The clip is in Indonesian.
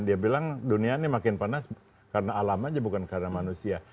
dia bilang dunia ini makin panas karena alam aja bukan karena manusia